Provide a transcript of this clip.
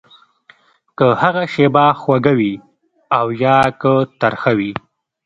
که هغه شېبه خوږه وي او يا که ترخه وي.